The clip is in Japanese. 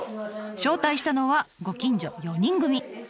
招待したのはご近所４人組。